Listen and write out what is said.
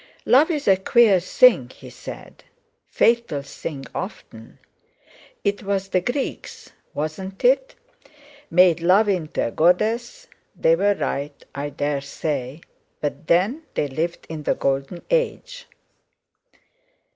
"Love's a queer thing," he said, "fatal thing often. It was the Greeks—wasn't it?—made love into a goddess; they were right, I dare say, but then they lived in the Golden Age."